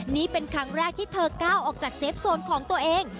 นี่เป็นครั้งแรกที่เธอก้าวออกจากเซฟโซนของตัวเอง